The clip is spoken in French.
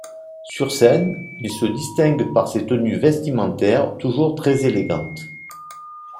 Sur scène, il se distingue par ses tenues vestimentaires toujours très élégantes.